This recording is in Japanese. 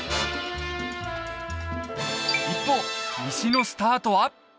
一方西のスタートは？